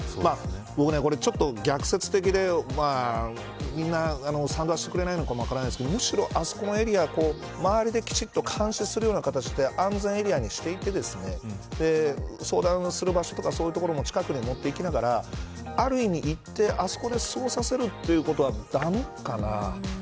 僕これちょっと逆説的でみんな、賛同してくれないのかもしれませんがむしろあそこのエリアを周りできちんとするような形で安全エリアにしていって相談する場所とかそういう所も近くに持っていきながらある意味行って、あそこで過ごさせるということは駄目かな。